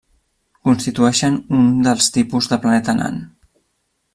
Constitueixen un dels tipus de planeta nan.